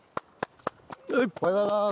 おはようございます。